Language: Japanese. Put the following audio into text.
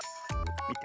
みて。